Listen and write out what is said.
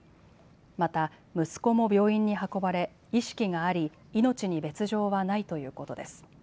また息子も病院に運ばれ意識があり命に別状はないということです。